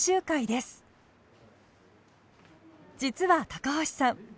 実は橋さん